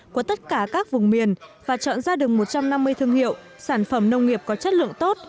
của tất cả các vùng miền và chọn ra đường một trăm năm mươi thương hiệu sản phẩm nông nghiệp có chất lượng tốt